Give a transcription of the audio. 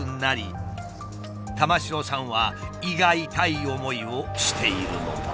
そこで納品時に玉城さんは胃が痛い思いをしているのだ。